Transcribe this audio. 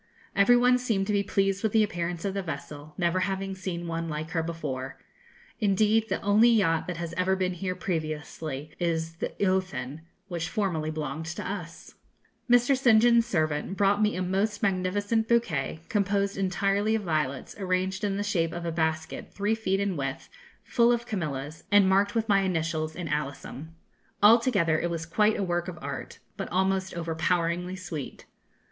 Every one seemed to be pleased with the appearance of the vessel, never having seen one like her before. Indeed, the only yacht that has ever been here previously is the 'Eothen,' which formerly belonged to us. Mr. St. John's servant brought me a most magnificent bouquet, composed entirely of violets, arranged in the shape of a basket, three feet in width, full of camellias, and marked with my initials in alyssum. Altogether it was quite a work of art, but almost overpoweringly sweet.